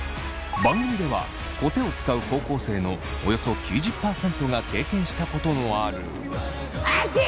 番組ではコテを使う高校生のおよそ９０％が経験したことのある。